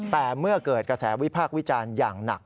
แต่เมื่อเกิดกระแสวิพากษ์วิจารณ์อย่างหนัก